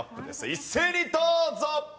一斉にどうぞ！